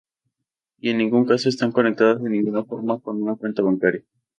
Y en ningún caso, están conectadas de ninguna forma con una cuenta bancaria.